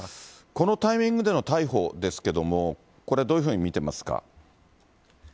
このタイミングでの逮捕ですけれども、これ、どういうふうに見てますか。